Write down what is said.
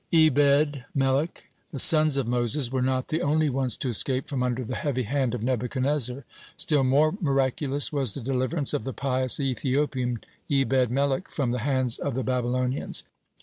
(57) EBED MELECH The Sons of Moses were not the only ones to escape from under the heavy hand of Nebuchadnezzar. Still more miraculous was the deliverance of the pious Ethiopian Ebed melech from the hands of the Babylonians.